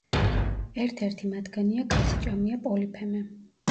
ერთ-ერთი მათგანია კაციჭამია პოლიფემე.